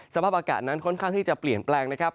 สภาพอากาศนั้นค่อนข้างที่จะเปลี่ยนแปลงนะครับ